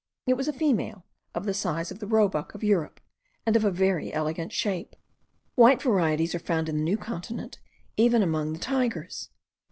It was a female of the size of the roebuck of Europe, and of a very elegant shape. White varieties are found in the New Continent even among the tigers.